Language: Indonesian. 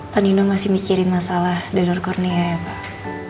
pak nino masih mikirin masalah donor kurnia ya pak